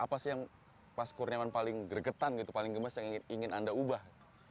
apa sih yang pas kurniawan paling gregetan gitu paling gemes yang ingin anda ubah